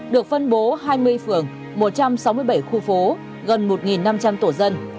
được phân bố hai mươi phường một trăm sáu mươi bảy khu phố gần một năm trăm linh tổ dân